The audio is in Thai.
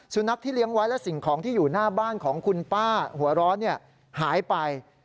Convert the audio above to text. สุนัขที่เลี้ยงไว้และสิ่งของที่อยู่หน้าบ้านของคุณป้าหัวร้อนหายไป